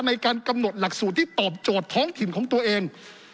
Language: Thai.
ในการกำหนดหลักสูตรที่ตอบโจทย์ท้องถิ่นของตัวเอง